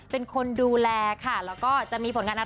เป็นคนดูแลครับก็จะมีผลงานอะไร